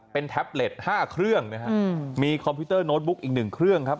เป็นแท็บเล็ต๕เครื่องนะฮะมีคอมพิวเตอร์โน้ตบุ๊กอีกหนึ่งเครื่องครับ